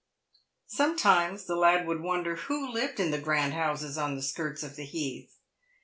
Sometimes the lad would wonder w T ho lived in the grand houses on the skirts of the heath.